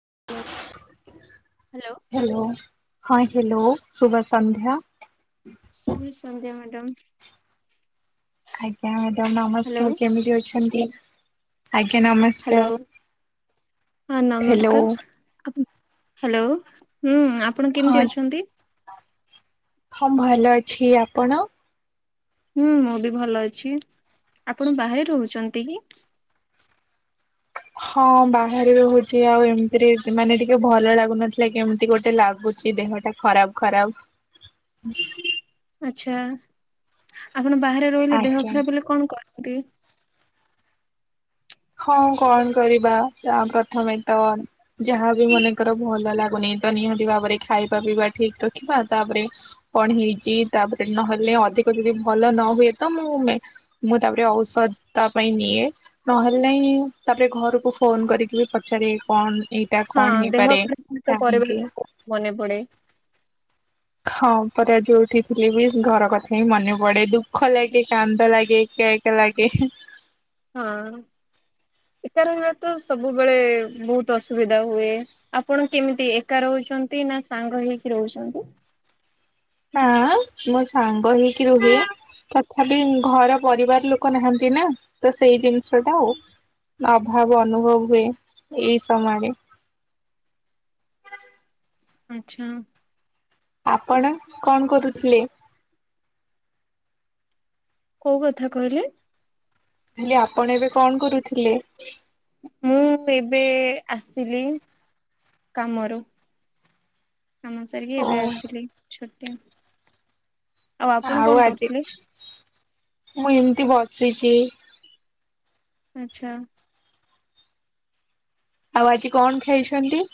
[unintelligible] Hello hello ହଁ hello ଶୁଭ ସନ୍ଧ୍ୟା। ଶୁଭ ସନ୍ଧ୍ୟା ମ୍ୟାଡାମ। ଆଜ୍ଞା ମ୍ୟାଡାମ ନମସ୍କାର କେମିତି ଅଛନ୍ତି? ଆଜ୍ଞା ହ୍ୟାଲୋ ନମସ୍କାର। ହଁ ହ୍ୟାଲୋ ନମସ୍କାର। ଆପଣ ହ୍ୟାଲୋ ହୁଁ ଆପଣ କେମିତି ହଁ ଅଛନ୍ତି? ହଁ ଭଲ ଅଛି। ଆପଣ ହୁଁ ମୁଁ ବି ଭଲ ଅଛି। ଆପଣ ବାହାରେ ରହୁଛନ୍ତି କି? ହଁ ବାହାରେ ରହୁଛି। ଆଉ ଏମିତିରେ ବି ମାନେ ଟିକେ ଭଲ ଲାଗୁନଥିଲା କେମିତି ଗୋଟେ ଲାଗୁ ବେଶୀ ଦେହଟା ଖରାପ୍ ଖରାପ୍ ଆଛା ଆପଣ ବାହାରେ ରହିଲେ ଦେହ ଆଜ୍ଞା ଖରାପ୍ ହେଲେ କଣ୍ କରନ୍ତି? ହଁ କନ୍ କରିବା ତା ପ୍ରଥମେ ତ ଯାହାବି ମନେକର ଭଲ ଲାଗୁନି ତ ନିହାତି ଭାବରେ ଖାଇବା ପିଇବା ଠିକ୍ ରଖିବା। ତାପରେ କଣ୍ ହେଇଚି ତାପରେ ନହେଲେ ଅ ଅଧିକ ଯଦି ଭଲ ନ ହୁଏ ତ ମୁଁ ମେ ମୁଁ ତାପରେ ଔଷଧ୍ ତା ପାଇଁ ନିଏ। ନହେଲେ ନାଇଁ ତାପରେ ଘରୁକୁ ଫୋନ୍ କରିକି ବି ପଚାରେ କଣ୍ ଏଇଟା ହଁ କଣ୍ ଦେହ ହେଇପାରେ ଖରାପ ତ ପରିବାର କାହିଁକି ମନେ ପଡେ ହଁ ପରା ଯୋଉଠି ଥିଲେ ବି ଘର କଥା ହିଁ ମନେ ପଡେ ଦୁଃଖ ଲାଗେ କାନ୍ଦ ଲାଗେ ଏକା ଏକା ଲ ଲାଗେ ହେଁ। ହଁ। ଏକା ରହିବା ତ ସବୁବେଳେ ବହୁତ୍ ଅସୁବିଧା ହୁଏ। ଆପଣ କେମିତି ଏକା ରଉ ଛନ୍ତି ନା ସାଙ୍ଗ ହେଇକି ରହୁଛନ୍ତି? ନା-ଆ-ଆ-ଆମୋ ସାଙ୍ଗ ହେଇକି ରୁହେ। ତଥାପି ଘର ପରିବାର ଲୋକ ନାହାନ୍ତି ନା ତ ସେଇ ଜିନିଷଟା ଅଭାବ ଅନୁଭବ୍ ହୁଏ ଏଇ ସମୟରେ। [inaudible] ଆଚ୍ଛା। ଆପଣ କଣ୍ କରୁଥିଲେ? କୋଉ କଥା କହିଲେ? ହେଲେ ଆପଣ୍ ଏବେ କଣ୍ କରୁଥିଲେ? ମୁଁ ଏବେ ଆସିଲି। କାମରୁ କାମ ସାରିକି ଓ ଏବେ ଆସଲି ଛୋଟେ ଆଉ ଆପଣ କଣ କରୁଥିଲେ? ମୁଁ ଏମିତି ବସିଚି। ଆଛା। ଆଉ ଆଜି କଣ୍ ଖାଇଛନ୍ତି?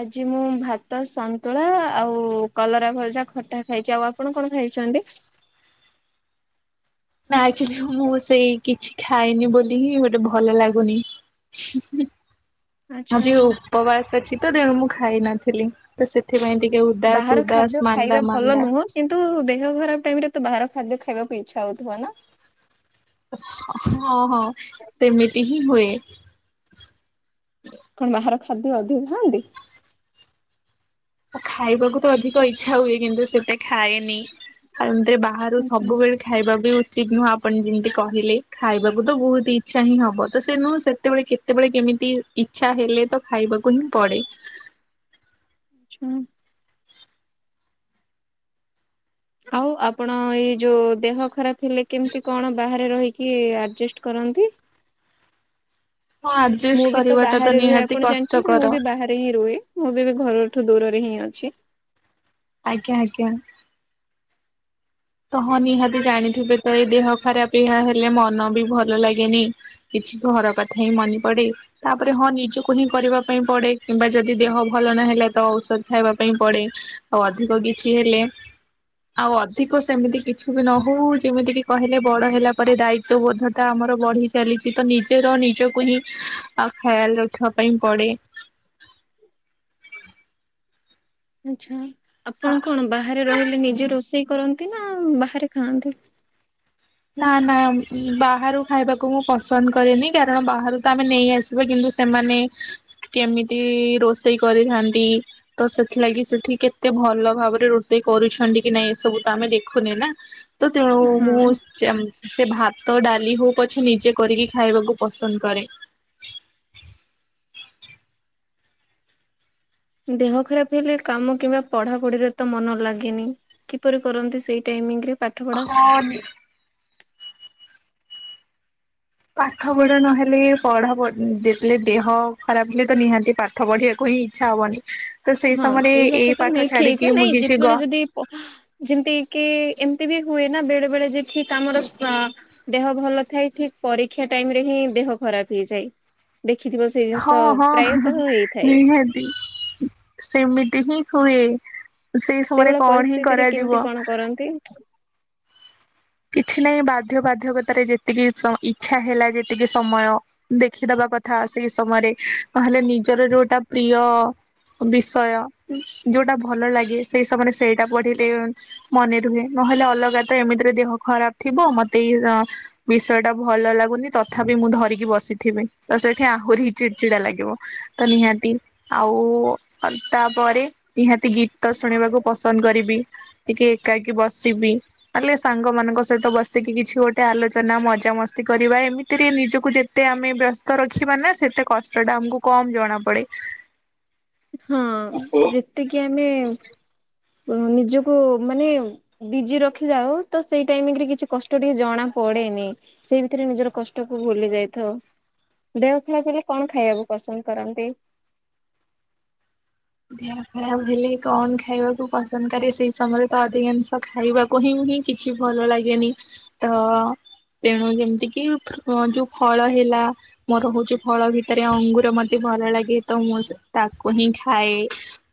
ଆଜି ମୁଁ ଭାତ, ସନ୍ତୁଳା ଆଉ କଲରା ଭଜା, ଖଟା ଖାଇଛି, ଆଉ ଆପଣ କଣ ଖାଇ? ଚନ୍ଡୀ। [unintelligible] ନା, ଚିନୁ -ମୁଁ ସେଇ କିଛି ଖାଇନି ବୋଲିିହିଁ ଗୋଟେ ଭଲ ଲାଗୁନି। ମୁଁ ଆଚ୍ଛା। ଯଉ ଉପବାସ୍ ଅଛି ତ ମୁଁ ଖାଇ ନଥିଲି ତ ସେଥି ବାହାର ଖାଦ୍ୟ ଖାଇବା ଭଲ ମାନ୍ଦା ନୁହଁ କିନ୍ତୁ ଦେହ ଖରାପ୍ ଏଗୁଡାତ ବାହାର ଖାଦ୍ୟ ଖାଇବାକୁ ଇଚ୍ଛା ହଉଥିବ ନା? ହଁ-ହଁ ସେମିତି ହିଁ ହୁଏ। କଣ୍ ବାହାର ଖାଦ୍ୟ ଅଧିକ ଖାଆନ୍ତି? ଆ ଖାଇବାକୁ ତ ଅଧିକ ଇଚ୍ଛା ହୁଏ କିନ୍ତୁ ସେତେ ଖାଏନି ଆ ବାହାରୁ ଆଚ୍ଛା ସବୁବେଳେ ଖାଇବା ବି ଉ ଚିନୁ, ଆପଣ ଯେମିତି କହିଲେ -ଖାଇବାକୁ ତ ଭୋଉତ୍ ଇଚ୍ଛା ହିଁ ହବ ତ ସେ ନୁହଁ ସେତେବେଳେ କେତେବେଳେ କେମିତି ଦି ଇଛା ହେଲେ ତ ଖାଇବାକୁ ହିଁ ପଡେ। ଛ [unintelligible] ଆଉ ଆପଣ ଏଇ ଯୋଉ ଦେହ ଖରାପ୍ ହେଲେ କେମିତି କଣ ବାହାରେ ରହିି କିଏ ଆଡଜେଷ୍ଟ୍ କରନ୍ତି? ହଁ। ଆଡଜଷ୍ଟ ମୁଁ ବି ତ କରିବାଟା ବାହାରେ ରୁହେ ନିହାତି ଆପଣ ଜାଣିଛନ୍ତି ମୁଁ କଷ୍ଟକର ବି ବାହାରେ ହିଁ ରୁହେ ମୁଁ ବି ଘରଠୁ ଦୂରରେ ହିଁ ଅ ଛି। ଆଜ୍ଞା-ଆଜ୍ଞା। ତହ ନିହାତି ଜାଣିଥିବେ ତ ଏଇ ଦେହ ଖରାପ ଏହା ହେଲେ ମନ ବି ଭଲ ଲାଗେନି କି କି ଘର କଥା ହିଁ ମନେ ପଡେ ତାପରେ ହଁ ନିଜକୁ ହିଁ କରିବା ପାଇଁ ପଡେ କିମ୍ବା ଯଦି ଦେହ ଭଲ ନାହି ହେଲେ ତ ଔଷଧ ଖାଇବା ପାଇଁ ପଡେ ଆଉ ଅଧିକ କିଛି ହେଲେ ଆଉ ଅ ଅଧିକ ସେମିତି କିଛି ବି ନ ହେଉ ଯେମିତିକି କହିଲେ ବଡ଼ ହେଲା ପରେ ଦାୟିତ୍ୱବୋଧତା ଆମର ବଢ଼ି ଚାଲି ଚି ତ ନିଜର ନିଜକୁ ହିଁ ଖୟାଲ ରଖିବା ପାଇଁ ପଡେ। [inaudible] ଆଚ୍ଛା ଆପଣ କଣ ବାହାରେ ରହିଲେ ନିଜ ରୋଷେଇ କରନ୍ତି ନା ବାହାରେ ଖାଆନ୍ତି? ନା ନା ବାହାରୁ ଖାଇବାକୁ ମୁଁ ପସନ୍ଦ କରେନି କାରଣ ବାହାରୁ ତ ଆମେ ନେଇ ଆସିବା କିନ୍ତୁ ସେମାନେ କେମିତି ରୋଷେଇ କରିଥାନ୍ତି ତ ସେଥିଲାଗି ସେଠି କେତେ ଭଲ ଭାବରେ ରୋଷେଇ କରୁଛନ୍ତି କି ନାଇଁ ଏସବୁ ତ ଆମେ ଦେଖୁନି ନା ତ ତେଣୁ ମୁଁ ହଁ ସେ ଭାତ ଡାଲି ହଉ ପଛେ ନିଜେ କରିକି ଖାଇବାକୁ ପସନ୍ଦ କରେ। [inaudible] ଦେହ ଖରାପ ହେଲେ କାମ କିମ୍ବା ପଢାପଢିରେ ତ ମନ ଲାଗେନି କିପରି କରନ୍ତି ସେଇ ଟାଇମିଙ୍ଗ ରେ। ହଁ। ପାଠ ପଢ ନହେଲେ ପଢା ଯେତେଳେ ଦେହ ଖରାପ ହେଲେ ତ ନିହାତି ପାଠ ପଢିବାକୁ ଇଚ୍ଛା ହବନି। ତ ସେଇ ହଁ ସମୟରେ ସେଇ ଏଇ କଥା ତ ପାଠ -ନାଇଁ ଛାଡିକି ଠିକ ମୁଁ ନାଇଁ କିଛି ଯେତେବେଳେ ଯଦି ଅ ଯେମିତି କି ଏମିତି ବି ହୁଏ ନା ବେଳେ ବେଳେ ଯେ ଠିକ୍ ଆମର ଦେହ ଭଲ ଥାଏ ଠିକ୍ ପରୀକ୍ଷା ଟାଇମ ରେ ହିଁ ଦେହ ଖରାପ ହେଇଯାଏ। ଦେଖିଥିବ ସେଇ ଜିନିଷ ହଁ ହଁ ପ୍ରାୟତଃ ହେଇଥାଏ। ନିହାତି। ସେମିତି ହିଁ ହୁଏ ସେଇ ସମୟରେ ସେଇଭଳିଆ କଣ ହିଁ ପରିସ୍ଥିତିରେ କେମିତି କରାଯିବ। କଣ କରନ୍ତି? କିଛି ନାହିଁ ବାଧ୍ୟ ବାଧ୍ୟକତାରେ ଯେତିକି ଇଚ୍ଛା ହେଲା ଯେତିକି ସମୟ ଦେଖିଦବା କଥା ସେ ସମୟରେ ନହେଲେ ନିଜର ଯୋଉଟା ପ୍ରିୟ ବିଷୟ ଯୋଉଟା ଭଲ ଲାଗେ ସେଇ ସମୟରେ ସ ସେଇଟା ପଢିଲେ ମନେ ରୁହେ ନହେଲେ ଅଲଗା ତ ଏମିତିରେ ଦେହ ଖରାପ ଥିବ ମତେ ଏଇ ଅ ବିଷୟ ଟା ଭଲ ଲାଗୁନି ତଥାପି ମୁଁ ଧରିକି ବସିଥିବି ତ ସେଠି ଆହୁରି ହି ଚିଡଚିଡା ଲାଗିବ ତ ନିହାତି ଆଉ ତାପରେ ନିହାତି ଗୀତ ଶୁଣିବାକୁ ପସନ୍ଦ କରିବି ଟିକେ ଏକାକି ବସିବି ମାନେ ସାଙ୍ଗ ମାନଙ୍କ ଙ୍କ ସହିତ ବସିକି କିଛି ଗୋଟେ ଆଲୋଚନା ମଜାମସ୍ତି କରିବା ଏମିତିରେ ନିଜକୁ ଯେତେ ଆମେ ବ୍ୟସ୍ତ ରଖ୍ ବା ନା ସେତେ କଷ୍ଟଟା ଆମକୁ କମ୍ ଜଣା ପଡେ। ହଁ ଯେତିକି ଆମେ। ନିଜକୁ ମାନେ ବିଜି ରଖିଯାଉ ତ ସେଇ ଟାଇମିଙ୍ଗ ରେ କିଛି କଷ୍ଟ ଟିକେ ଜଣା ପ ପଡେନି ସେଇ ଭିତରେ ନିଜର କଷ୍ଟ କ ଭୁଲି ଯାଇଥାଉ। ଦେହ ଖରା ଥିଲେ କଣ ଖାଇବାକୁ ପସନ୍ଦ କରନ୍ତି? ଦେହ ଖରାପ ହେଲେ କଣ ଖାଇବାକୁ ପସନ୍ଦ କରେ ସେଇ ସମୟରେ ତ ଅଧିକାଂଶ ଖାଇବାକୁ ହିଁ କିଛି ଭଲ ଲାଗେନି ତ ଅ ତେଣୁ ଯେମିତି କିି ଯୋଉ ଫଳ ହେଲା ମୋର ରହୁଛି ଫଳ ଭିତରେ ଅଙ୍ଗୁର ମତେ ଭଲ ଲାଗେ ତ ମୁଁ ତାକୁ ହିଁ ଖା ଥାଏ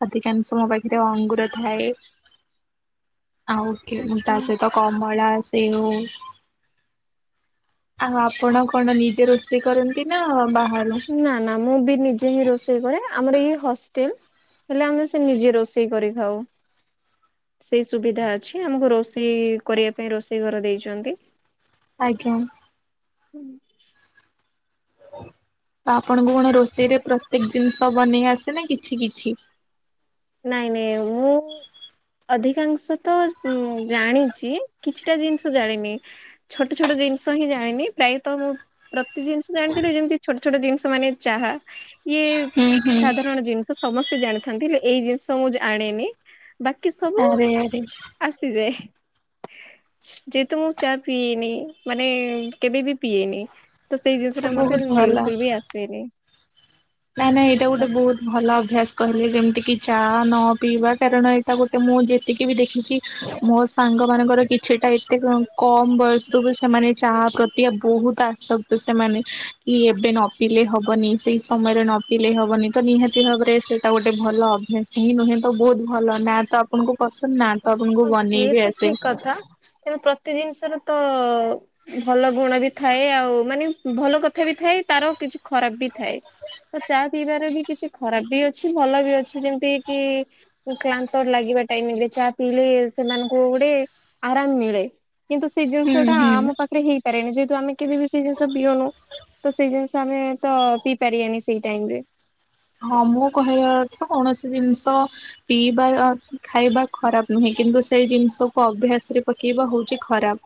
ଅଧିକାଂଶ ମୋ ପାଖରେ ଅଙ୍ଗୁର ଥାଏ। ଆଉ କେ ମୁଁ ଆଚ୍ଛା। ତା ସହ କମଳା ସେଉ। ଆଉ ଆପଣ କଣ ନିଜେ ରୋଷେଇ କରନ୍ତି ନା ବା ନା ନା ମୁଁ ବି ନିଜେ ହିଁ ରୋଷେଇ କରେ ଆମର ଇଏ ହଷ୍ଟେଲ ହେଲେ ଆମେ ସେ ନିଜେ ରୋଷେଇ କରି ଖାଉ। ସେଇ ସୁବିଧା ଅଛି ଆମକୁ ରୋଷେଇ କରିବା ପାଇଁ ରୋଷେଇ ଘର ଦେଇଛନ୍ତି। ଆଜ୍ଞା। ହୁଁ। ତ ଆପଣଙ୍କୁ କଣ ରୋଷେଇରେ ପ୍ରତ୍ୟେକ୍ ଜିନିଷ ବନେଇ ଆସେ ନା କିଛି କିଛି। ନାଇଁ ନାଇଁ ମୁଁ ଅଧିକାଂଶ ତ ଉଁ ଜାଣିଛି କିଛିଟା ଜିନିଷ ଜାଣିନି ଛୋଟ ଛୋଟ ଜିନିଷ ହିଁ ଜାଣିନି ପ୍ରାୟତ ମୁଁ ପ୍ରତେ ଜିନିଷ ଜାଣିଛନ୍ତି ଯେମିତି ଛୋଟ ଛୋଟ ଜିନିଷ ମାନେ ଚାହା ଇଏ ହୁଁ ହୁଁ ସାଧାରଣ ଜିନିଷ ସମସ୍ତେ ତେ ଜାଣିଥାନ୍ତି ହେଲେ ଏଇ ଜିନିଷ ମୁଁ ଜାଆଣିନି ବାକି ସବୁ ଆରେ ଆରେ ଆସିଯାଏ। ଯେହେତୁ ମୁଁ ଚା ପିଇଏନି ମାନେ କେବେ ବି ପିଏନି। ତ ସେଇ ଜିନିଷ ଟା ମତେ ବିଲକୁଲ ବି ଆସେନି। ନାଇଁ ନାଇଁ ଏଇଟା ଗୋଟେ ବହୁତ ଭଲ ଅଭ୍ୟାସ। କହିଲେ ଯେମିତିକି ଚା ନ ପିଇବା କାରଣ ଏଇଟା ଗୋଟେ ମୁଁ ଯେତିକି ବି ଦେଖିଛି କି ମୋ ସାଙ୍ଗ ମାନଙ୍କର କିଛିଟା ଏତେ କମ ବୟସ ସେମାନେ ଚାହା ପ୍ରତିଆ ବହୁତ ଆସକ୍ତି ସେମାନେ କି ଏବେ ନ ପିିଲଲେ ହବନି ସେଇ ସମୟରେ ନ ପିଲେଇ ହବନି ତ ନିହାତି ଭାବରେ ସେ ତା ଗୋଟେ ଭଲ ଅଭ୍ୟାସ ହିଁ ନୁହେଁ ତ ବହୁତ ଭଲ ନା ତ ଆପଣଙ୍କୁ ପସନ୍ଦ ନା ତ ଆପଣଙ୍କୁ ହଁ ବନେଇ ସେଏ ବି ତ ଆସେ ଠିକ କଥା କିନ୍ତୁ ପ୍ରତି ଜିନିଷରେ ତ ଭଲ ଗୁଣ ବି ଥାଏ ଆଉ ମାନେ ଭଲ କଥା ବି ଥାଏ ତାର କିଛି ଖରାପ ବି ଥାଏ। ତ ଚା ପିଇବାର ବି କିଛି ଖରାପ ବି ଅଛି ଭଲ ବି ଅଛି ଯେମିତି କି କ୍ଳାନ୍ତର ଲାଗେ [unintelligible] ଚା ପିଇଲେ ସେମାନଙ୍କୁ ଗୋଟେ ଆରାମ ମିଳେ। କିନ୍ତୁ ସେ ହୁଁ ଜିନିଷ ଟା ହୁଁ ଆମ ପାଖରେ ହେଇପାରେନି ଯେହେତୁ ଆମେ କେବେ ବି ସେଇ ଜିନିଷ ପିଅନୁ। ତ ସେଇ ଜିନିଷ ଆମେ ତ ପିଇ ପାରିବାନି ସେଇ ଟାଇମ ରେ। ହଁ ମୁଁ କହିବା ଅର୍ଥ କୌଣସି ଜିନିଷ ପିଇବା ଖାଇବା ଖରାପ ନୁହେଁ। କିନ୍ତୁ ସେଇ ଜିନିଷକୁ ଅଭ୍ୟାସ ରେ ପକେଇବା ହଉଛି ଖରାପ।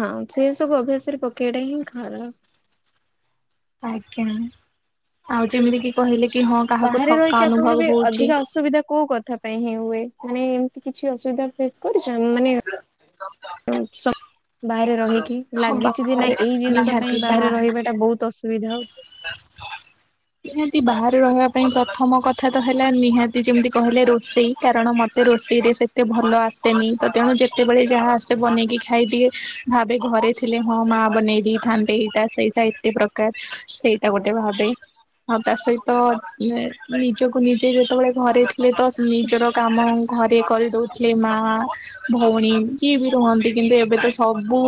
ହଁ ସେ ସବୁ ଅଭ୍ୟାସରେ ପକେଇଟା ହିଁ ଖରାପ। ଆଜ୍ଞା ଆଉ ଯେମିତି କି କହିଲେ ହଁ କାହାକୁ ବାହାରେ ଥକା ରହିକି ଅନୁଭବ ଆପଣଙ୍କ ବି ହଉଛି ଅଧିକା ଅସୁବିଧା କୋଉ କଥା ପାଇଁ ହିଁ ହୁଏ? ମାନେ ଏମିତି କିଛି ଅସୁବିଧା ଫେସ୍ କରିଛ ମାନେ ବାହାରେ ରହିକି ହଁ ଲାଗିଛି ଯେ, ବାହାରେ ନାଇ ଏଇ ଜିନିଷ ପାଇଁ ନିହାତି ବାହାରେ ରହିବା ଟା ବହୁତ ଅସୁବିଧା ହଉଛି। ବ [unintelligible] ନିହାତି ବାହାରେ ରହିବା ପାଇଁ, ପ୍ରଥମ କଥା ତ ହେଲା ନିହାତି ଯେମିତି କହିଲେ ରୋଷେଇ କାରଣ ମତେ ରୋଷଇରେ ସେତେ ଭଲ ଆସେନି, ତ ତେଣୁ ଯେତେବେଳେ ଯାହା ଆସେ ବନେଇକି ଖାଇଦିଏ। ଭାବେ ଘରେ ଥିଲେ ହଁ ମା ବନେଇ ଦେଇେଥାନ୍ତେ, ଏଇଟା ସେଇଟା ଏତେ ପ୍ରକାର ସେଇ ତା ଗୋଟେ ଭାବେ ଆଉ ତା ସହିତ ନିଜକୁ ନିଜେ ଯେତେବେଳେ ଘରେ ତ ନିଜର କାମ ଘରେ କରିଦଉଥିଲେ, ମା ଭଉଣୀ କିଏ ବି ରୁହନ୍ତି କିନ୍ତୁ ଏବେ ତ ସବୁ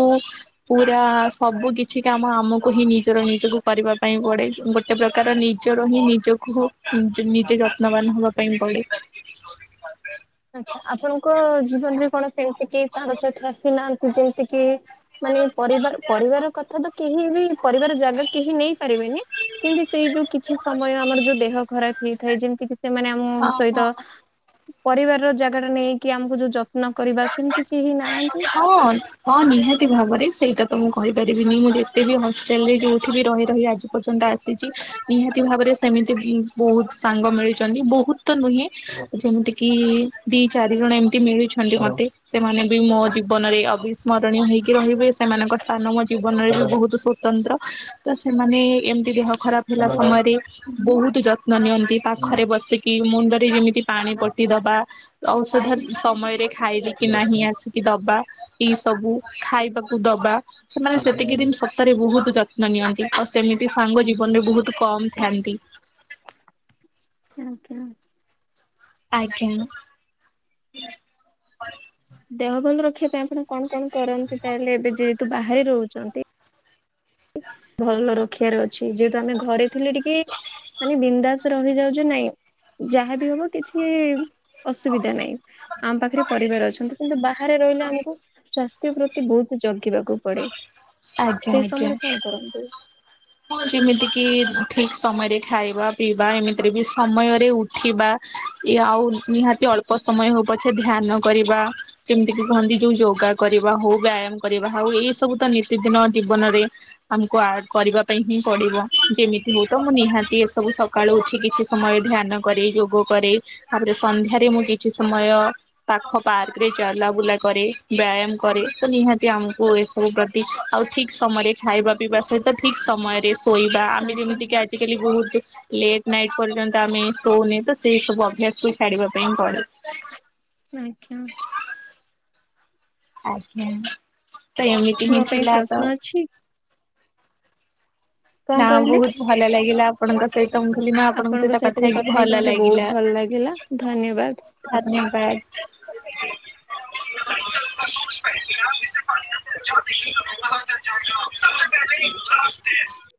ପୁରା ସବୁ କିଛି କାମ, ଆମକୁ ହିଁ ନିଜର ନିଜକୁ କରିବା ପାଇଁ ପଡେ ଗୋଟେ ପ୍ରକାର ନିଜର ହିଁ ନିଜକୁ ନି ନିଜେ ଯତ୍ନବାନ ହବା ପାଇଁ ପଡେ। [inaudible] ଆଛା ଆପଣଙ୍କ ଜୀବନରେ କଣ ସେମିତି କେହି ସାଙ୍ଗସାଥୀ ଆସିନାହାନ୍ତି? ଯେମିତି କିି ମାନେ ପରିବାର ପରିବାର କଥା ତ କେହି ବି ପରିବାର ଜାଗା କେହି ନେଇପାରିବେନି। କିନ୍ତୁ ସେଇ ଯୋଉ କିଛି ସମୟ ଆମର ଯୋଉ ଦେହ ଖରାପ ହେଇଥାଏ, ଯେମିତି କି ସେମାନେ ଆମ ହଁ ସହିତ ହଁ। ପରିବାରର ଜାଗା ଟା ନେଇକି ଆମକୁ ଯୋଉ ଯତ୍ନ କରିବା ସେମିତି କେହି ନାହାନ୍ତି ହଁ ହଁ ନିହାତି ଭାବରେ ସେଇଟା ମୁଁ କହିପାରିବିନି ମୁଁ ଯେତେ ବି ହଷ୍ଟେଲରେ, ଯୋଉଠି ବି ରହି ରହି ଆଜି ପର୍ଯ୍ୟନ୍ତ ଆସିଛି ନିହାତି ଭାବରେ ସେମିତି ବି ବହୁତ ସାଙ୍ଗ ମିଳିଛନ୍ତି, ବହୁତ ତ ନୁହେଁ ଯେମିତି କିି ଦି ଚାରି ଜଣ ଏମତି ମିଳିଛନ୍ତି ମତେ। ସେମାନେ ବି ମୋ ଜୀବନରେ ଅବିସ୍ମରଣୀୟ ହେଇକି ରହିବେ ସେମାନଙ୍କ ସ୍ଥାନ ମୋ ଜୀବନରେ ବହୁତ ସ୍ଵତନ୍ତ୍ର, ତ ସେମାନେ ଏମିତି ଦେହ ଖରାପ ହେଲା ସମୟରେ ବହୁତ ଯତ୍ନ ନ ପାଖରେ ବସିକି ମୁଣ୍ଡରେ ଯେମିତି ପାଣି ପଟି ଦବା ଔଷଧ ସମୟରେ ଖାଇଲେ କି ନାହିଁ ଆସିକି ଦବା, ଏଇ ସବୁ ଖାଇବାକୁ ଦବା ସେମାନେ ସେତିକି ଜିନିଷ ସତରେ ବହୁତ ଯତ୍ନ ନିଅନ୍ତି। ଆ ସେମିତି ସାଙ୍ଗ ଜୀବନ ଆଜ୍ଞା। ରେ ବହୁତ କମ ଥାଆନ୍ତି। ଆଜ୍ଞା। ଆଜ୍ଞା। ଦେହ ଭଲ ରଖିବା ପାଇଁ ଆପଣ କଣ କଣ କରନ୍ତି, ତାହେଲେ ଏବେ ଯେହେତୁ ବାହାରେ ରହୁଛନ୍ତି। ଭଲ ରଖିବାର ଅଛି, ଯେହେତୁ ଆମେ ଘରେ ଥିଲେ ଟିକେ ମାନେ ବିନ୍ଦାସ ରହିଯାଉଛି ନାଇଁ ଯାହା ବି ହବ କିଛି ଅସୁବିଧା ନାହିଁ ଆମ ପାଖରେ ପରିବାର ଅଛନ୍ତି, କିନ୍ତୁ ବାହାରେ ରହିଲେ ଆମକୁ ସ୍ୱା ପ୍ରତି ବହୁତ ଜଗିବାକୁ ପଡେ ଆଜ୍ଞା ସେଇ ଆଜ୍ଞା ସମୟରେ କଣ କରନ୍ତି? ହଁ ଯେମିତି କିି ଠିକ ସମୟରେ ଖାଇବା, ପିଇବା ଏମିତିରେ ବି ସମୟରେ ଉଠିବା। ଇ ଆଉ ନିହାତି ଅଳ୍ପ ସମୟ ହଉ ପଛେ ଧ୍ୟାନ କରିବା, ଯେମିତି କି କହନ୍ତି ଯୋଉ ଯୋ କରିବା ହଉ ବ୍ୟାୟାମ କରିବା ହଉ, ଏଇ ସବୁ ତ ନିତିଦିନ ଜୀବନରେ ଆମକୁ ଆଡ୍ କରିବା ପାଇଁ ହିଁ ପଡିବ, ଯେମିତି ହଉ ତ ମୁଁ ନିହାତି ଏସବୁ ସକାଳୁ ଉଠି କିଛି ସମୟ ଧ୍ୟାନ କରେ ଯୋଗ କରେ ତାପରେ, ସନ୍ଧ୍ୟାରେ ମୁଁ କିଛି ସମୟ ପାଖ ପାର୍କ ରେ ଚଲାବୁଲା କରେ ବ୍ୟା ବ୍ୟାୟାମ କରେ ତ ନିହାତି, ଆମକୁ ଏସବୁ ପ୍ରତି ଆଉ ଠିକ ସମୟରେ ଖାଇବା ପିଇବା ସହିତ ଠିକ ସମୟରେ ଶୋଇବା, ଆମେ ଆଜ୍ଞା ଯେମିତିକି ଆଜିିକାଲି ବହୁତ ଲେଟ୍ ନାଇଟ୍ ପର୍ଯ୍ୟନ୍ତ ଆମେ ଶୋଉନେ ତ ସେଇ ସବୁ ଅଭ୍ୟାସକୁ ଛାଡ଼ିବା ପାଇଁ ପଡେ। ଆଜ୍ଞା। ଆଜ୍ଞା ତ ଏମିତି ହିଁ ମୋ ପାଇଁ ଥିଲା ତ ପ୍ରଶ୍ନ ଅଛି କଣ ନା କହିଲେ ବହୁତ ଭଲ ଲାଗିଲା ଆପଣଙ୍କ ସହି ତ ମୁ କହିଲି ନା ଆପଣଙ୍କ ସହିତ କଥା ବି ହେଇକି ଭଲ ମତେ ବହୁତ ଲାଗିଲା। ଭଲ ଲାଗିଲା ଧନ୍ୟବାଦ। ଧନ୍ୟବାଦ। [inaudible] [inaudible]